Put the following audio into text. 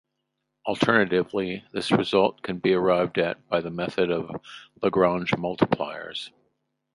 Alternatively, this result can be arrived at by the method of Lagrange multipliers.